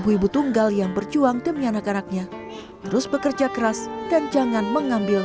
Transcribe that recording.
kisah sukses cici berawal ketika dia harus berpisah dengan sang suami